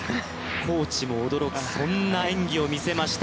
コーチも驚くそんな演技をみせました。